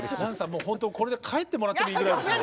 もうほんとこれで帰ってもらってもいいぐらいです。